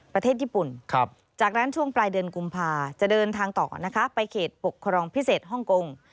ประเทศญี่ปุ่นจากนั้นช่วงปลายเดือนกุมภาจะเดินทางต่อนะคะไปเขตปกครองพิเศษฮ่องกง